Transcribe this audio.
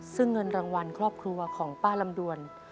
ซึ่งเงินรางวัลครอบครัวของป้าลำดวน